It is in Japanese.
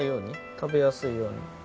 食べやすいように。